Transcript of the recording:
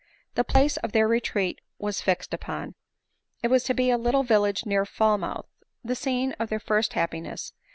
The place of their retreat was fixed upon. It was to be a little village near Falmouth, the scene of their first hap piness.